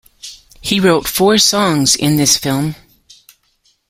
He wrote four songs in this film.